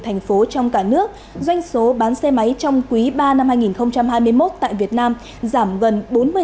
thành phố trong cả nước doanh số bán xe máy trong quý ba năm hai nghìn hai mươi một tại việt nam giảm gần bốn mươi